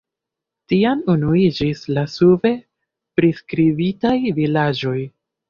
Tiam unuiĝis la sube priskribitaj vilaĝoj.